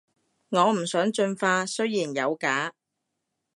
我唔想進化，雖然有假